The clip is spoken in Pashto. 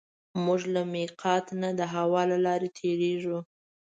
موږ له مېقات نه د هوا له لارې تېرېږو.